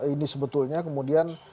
ini sebetulnya kemudian